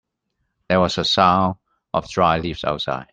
There was a sound of dry leaves outside.